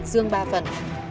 dương ba phần